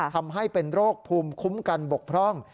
ทำให้เป็นโรคภูมิคุ้มกันบกพร่อง